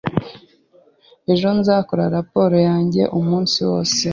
Ejo nzakora raporo yanjye umunsi wose.